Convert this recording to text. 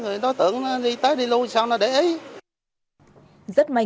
rồi nó tưởng nó đi tới đi lui sao nó để ý